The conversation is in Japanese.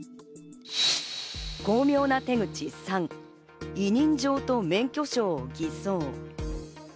巧妙な手口３、委任状と免許証偽造。